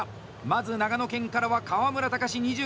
まず長野県からは川村岳２４歳。